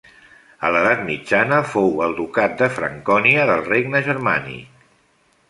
A l'edat mitjana fou el Ducat de Francònia del Regne Germànic.